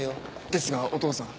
ですがお父さん。